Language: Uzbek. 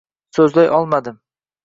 So‘zlay olmadim.